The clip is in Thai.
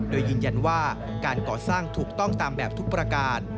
โดยยืนยันว่าการก่อสร้างถูกต้องตามแบบทุกประการ